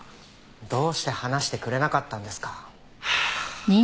どうして話してくれなかったんですか？